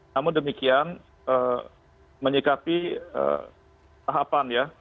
namun demikian menyikapi tahapan ya